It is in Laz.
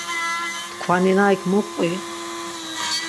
Tkvaninaik mu qu?